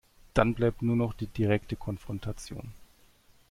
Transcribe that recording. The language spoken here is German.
Dann bleibt nur noch die direkte Konfrontation.